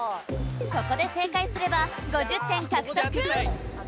ここで正解すれば５０点獲得！